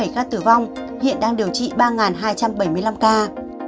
bảy mươi bảy ca tử vong hiện đang điều trị ba hai trăm bảy mươi năm ca